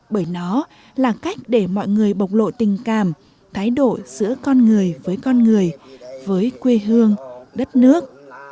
bởi nó là cách để mọi người bộc lộ tình cảm thái độ giữa con người với con người với quê hương đất nước